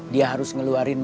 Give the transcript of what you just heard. dia harus ngeluarin